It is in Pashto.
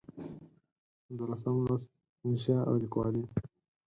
پنځلسم لوست: انشأ او لیکوالي